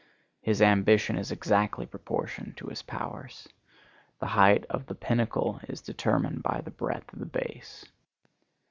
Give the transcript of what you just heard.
His ambition is exactly proportioned to his powers. The height of the pinnacle is determined by the breadth of the base.